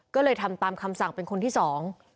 ก็เลยทำตามคำสั่งเป็นคนที่สอง